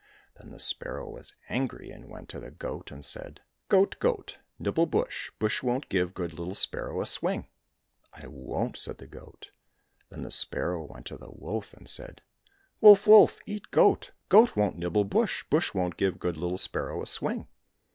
Then the sparrow was angry, and went to the goat and said, " Goat, goat, nibble bush, bush won't give good little sparrow a swing." —" I won't !" said the goat. — Then the sparrow went to the wolf and said, " Wolf, wolf, eat goat, goat won't nibble bush, bush won't give good little sparrow a swing."